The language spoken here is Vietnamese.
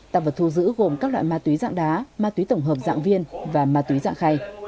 tạp vật thu giữ gồm các loại ma túy dạng đá ma túy tổng hợp dạng viên và ma túy dạng khay